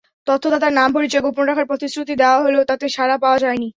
তথ্যদাতার নাম-পরিচয় গোপন রাখার প্রতিশ্রুতি দেওয়া হলেও তাতে সাড়া পাওয়া যায়নি।